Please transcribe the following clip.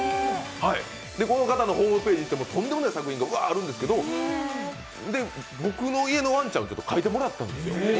この方のホームページいってもとんでもない作品あるんですけど、僕の家のワンちゃんを描いてもらったんです。